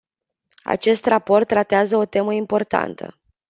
Acest raport tratează o temă importantă.